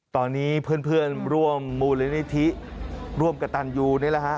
ตอนนี้เพื่อนร่วมมูลนิธิร่วมกับตันยูนี่แหละฮะ